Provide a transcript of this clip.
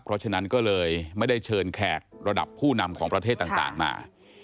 เพราะฉะนั้นก็เลยไม่ได้เชิญแขกระดับผู้นำของประเทศต่างมา